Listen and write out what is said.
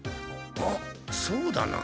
あっそうだな。